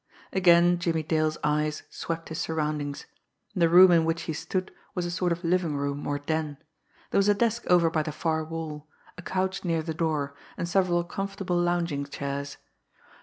Again, Jimmie Dale's eyes swept his surroundings. The room in which he stood was a sort of living room or den. There was a desk over by the far wall, a couch near the door, and several comfortable lounging chairs.